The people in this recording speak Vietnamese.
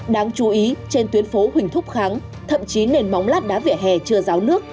đáng chú ý trên tuyến phố huỳnh thúc kháng thậm chí nền móng lát đá vỉa hè chưa ráo nước